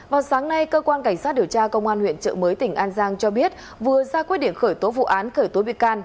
vào sáng nay cơ quan cảnh sát điều tra công an huyện trợ mới tỉnh an giang cho biết vừa ra quyết định khởi tố vụ án khởi tố bị can